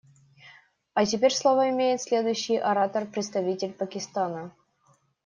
А теперь слово имеет следующий оратор − представитель Пакистана.